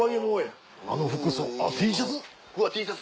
あの服装あっＴシャツ！